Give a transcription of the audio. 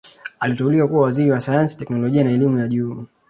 aliteuliwa kuwa Waziri wa sayansi teknolojia na elimu ya juu